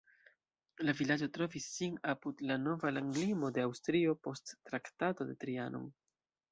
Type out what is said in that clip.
La vilaĝo trovis sin apud la nova landlimo de Aŭstrio post Traktato de Trianon.